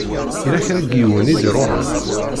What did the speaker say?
Yella kra n yiwen i d-iṛuḥen?